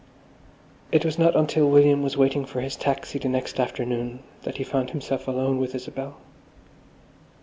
It was not until William was waiting for his taxi the next afternoon that he found himself alone with Isabel.